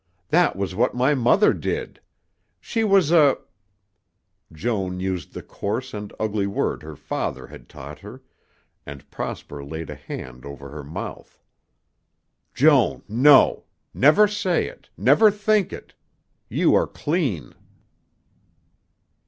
That was what my mother did. She was a " Joan used the coarse and ugly word her father had taught her, and Prosper laid a hand over her mouth. "Joan! No! Never say it, never think it. You are clean."